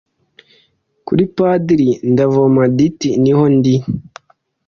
kuri padiri ndavoma ditty niho ndi